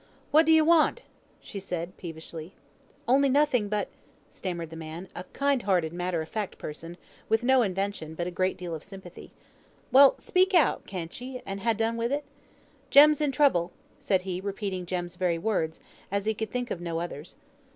"What don ye want?" said she, peevishly. "Only nothing but " stammered the man, a kind hearted matter of fact person, with no invention, but a great deal of sympathy. "Well! speak out, can't ye, and ha' done with it?" "Jem's in trouble," said he, repeating Jem's very words, as he could think of no others.